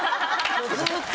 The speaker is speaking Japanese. もうずっと。